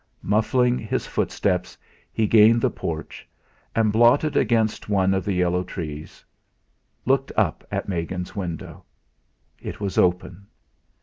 Muffling his footsteps, he gained the porch, and, blotted against one of the yew trees, looked up at Megan's window. It was open.